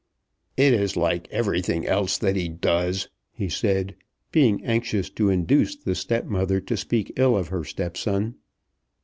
"It is like everything else that he does," he said, being anxious to induce the stepmother to speak ill of her stepson.